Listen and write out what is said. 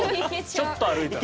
ちょっと歩いたら。